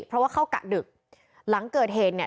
เพราะว่าเข้ากะดึกหลังเกิดเหตุเนี่ย